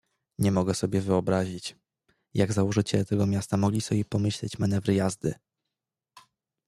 "Nie mogę sobie wyobrazić, jak założyciele tego miasta mogli sobie pomyśleć manewry jazdy!"